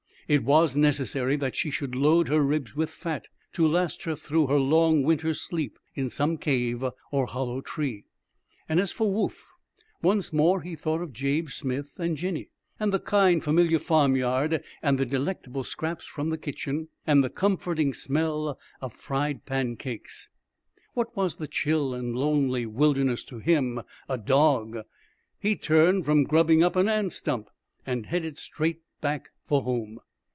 It was necessary that she should load her ribs with fat to last her through her long winter's sleep in some cave or hollow tree. And as for Woof, once more he thought of Jabe Smith and Jinny, and the kind, familiar farmyard, and the delectable scraps from the kitchen, and the comforting smell of fried pancakes. What was the chill and lonely wilderness to him, a dog? He turned from grubbing up an ant stump and headed straight back for home.